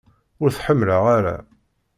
Ur t-ḥemmleɣ ara.